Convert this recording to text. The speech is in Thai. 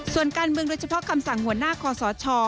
ส่วนการเมืองโดยเฉพาะคำสั่งหัวหน้าคอสช